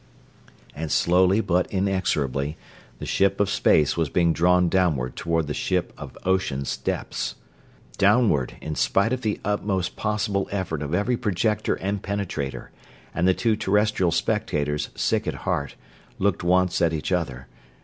And slowly but inexorably the ship of space was being drawn downward toward the ship of ocean's depths. Downward, in spite of the utmost possible effort of every projector and penetrator, and the two Terrestrial spectators, sick at heart, looked once at each other.